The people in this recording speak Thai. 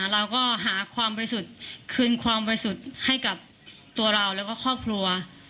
เราก็หาความบริสุทธิ์คืนความบริสุทธิ์ให้กับตัวเราแล้วก็ครอบครัว